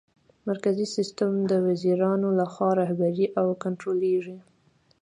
مرکزي سیسټم د وزیرانو لخوا رهبري او کنټرولیږي.